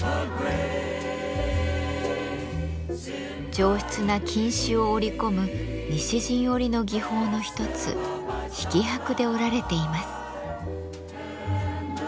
上質な金糸を織り込む西陣織の技法の一つ引箔で織られています。